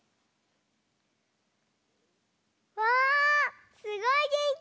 わあすごいげんき！